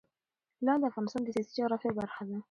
لعل د افغانستان د سیاسي جغرافیه برخه ده.